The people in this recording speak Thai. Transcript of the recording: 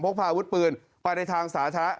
พาอาวุธปืนไปในทางสาธารณะ